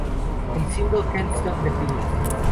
El single, "Can't Stop the Feeling!